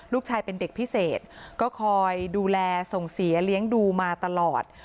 ลูกชายเป็นเด็กพิเศษก็คอยดูแลส่งเสียเลี้ยงดูมาตลอด